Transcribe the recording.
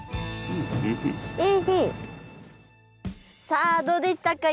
さあどうでしたか？